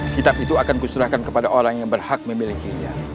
kitab itu akan kuserahkan kepada orang yang berhak memiliki dia